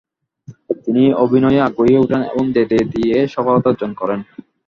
তিনি অভিনয়ে আগ্রহী হয়ে ওঠেন এবং দেদে দিয়ে সফলতা অর্জন করেন।